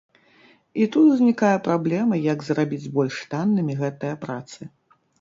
І тут ўзнікае праблема, як зрабіць больш таннымі гэтыя працы.